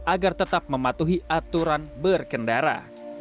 agar tetap mematuhi aturan berkendara